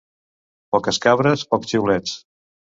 Poques cabres, pocs xiulets.